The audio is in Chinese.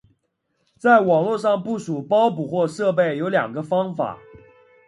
在网络上部署包捕获设备有两个方法。